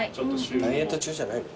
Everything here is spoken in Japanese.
ダイエット中じゃないの？